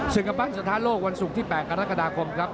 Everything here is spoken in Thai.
สึกบ้านสถานโลกวันสุขที่๘กรกฎาคมครับ